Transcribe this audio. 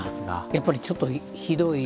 やっぱりちょっとひどい。